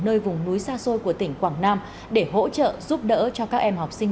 nơi vùng núi xa xôi của tỉnh quảng nam để hỗ trợ giúp đỡ cho các em học sinh